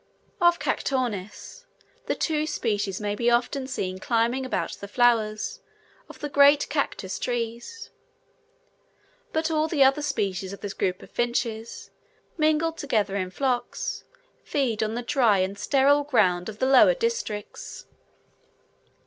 Of Cactornis, the two species may be often seen climbing about the flowers of the great cactus trees; but all the other species of this group of finches, mingled together in flocks, feed on the dry and sterile ground of the lower districts.